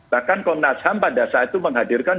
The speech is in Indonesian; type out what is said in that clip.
bahkan komnas ham pada saat itu menghadirkan